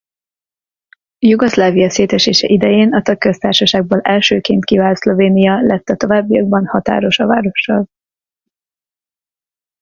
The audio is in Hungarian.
Jugoszlávia szétesése idején a tagköztársaságból elsőként kivált Szlovénia lett a továbbiakban határos a várossal.